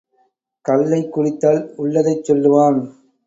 கள்ளைக் குடித்தால் உள்ளதைச் சொல்லுவான்.